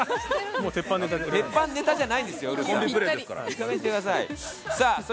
鉄板ネタじゃないんですよ、ウルフさん。